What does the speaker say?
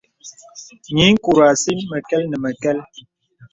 Nyiŋkùrə asì məkɛl nə məkɛl.